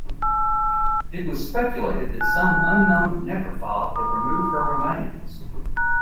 It was speculated that some unknown necrophile had removed her remains.